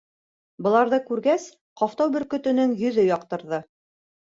Быларҙы күргәс, Ҡафтау бөркөтөнөң йөҙө яҡтырҙы: